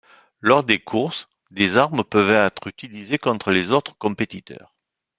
Lors des courses, des armes peuvent être utilisées contre les autres compétiteurs.